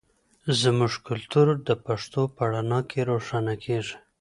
زموږ کلتور د پښتو په رڼا کې روښانه کیږي.